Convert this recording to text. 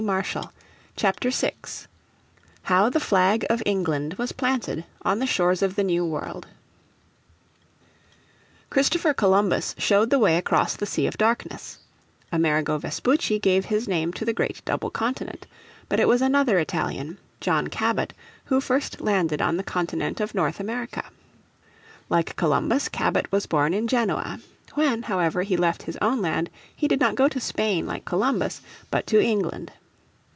__________ Chapter 6 How The Flag of England Was Planted on the Shores of the New World Christopher Columbus showed the way across the Sea of Darkness; Amerigo Vespucci gave his name to the great double continent, but it was another Italian, John Cabot, who first landed on the Continent of North America. Like Columbus, Cabot was born in Genoa. When, however, he left his own land he did not go to Spain like Columbus, but to England.